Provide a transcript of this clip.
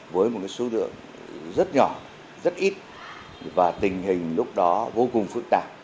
với một số lượng rất nhỏ rất ít và tình hình lúc đó vô cùng phức tạp